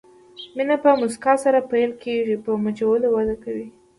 مینه په مسکا سره پیل کېږي، په مچولو وده کوي.